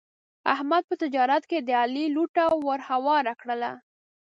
احمد په تجارت کې د علي لوټه ور هواره کړله.